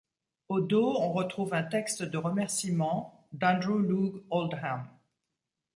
Au dos on retrouve un texte de remerciement d'Andrew Loog Oldham.